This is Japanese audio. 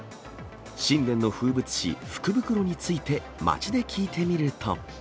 新年の風物詩、福袋について街で聞いてみると。